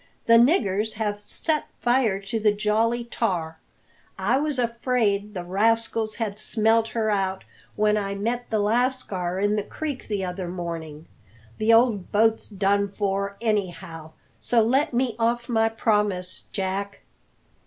"The niggers have set fire to the Jolly Tar. I was afraid the rascals had smelt her out when I met the lascar in the creek the other morning. The old boat's done for, anyhow; so let me off my promise, Jack."